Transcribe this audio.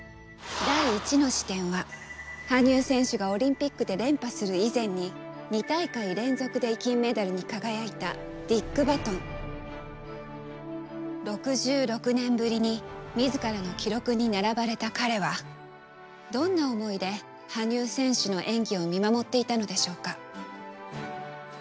第１の視点は羽生選手がオリンピックで連覇する以前に２大会連続で金メダルに輝いた６６年ぶりに自らの記録に並ばれた彼はどんな思いで羽生選手の演技を見守っていたのでしょうか。